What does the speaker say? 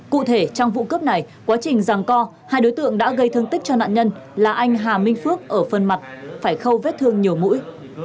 cụ thể trong vụ cướp này quá trình ràng co hai đối tượng đã gây thương tích cho nạn nhân là anh hà minh phước ở phần mặt phải khâu vết thương nhiều mũi